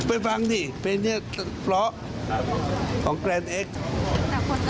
อุ่นบ้านนะครับ